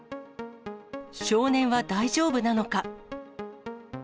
少年は大丈夫なのか？